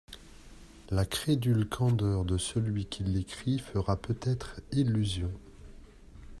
La crédule candeur de celui qui l'écrit, fera peut-être illusion.